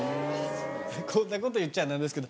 こんなこと言っちゃ何ですけど。